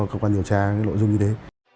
các quan điều tra cái nội dung như đấy